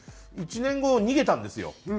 １年後逃げたんですよ。